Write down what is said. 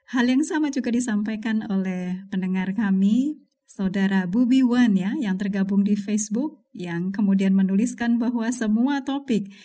hal yang sama juga disampaikan oleh pendengar kami saudara bubi wan yang tergabung di facebook yang kemudian menuliskan bahwa semua topik